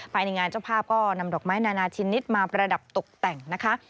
ภายในงานเจ้าภาพก็นำดอกไม้นานาชนิดมาประดับตกแต่งนะคะ